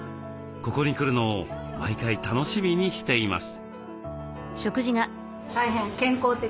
ここに来るのを毎回楽しみにしています。